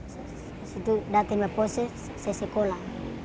setelah itu saya datang ke posisi sekolah